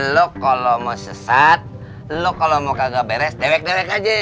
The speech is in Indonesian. lu kalau mau sesat lu kalau mau kagak beres dewek dewek aja